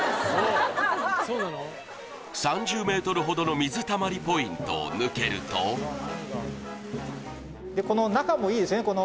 ３０ｍほどの水たまりポイントを抜けるとこの中もいいですね